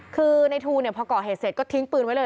คือในทูลพอก่อเหตุเสร็จก็ทิ้งปืนไว้เลย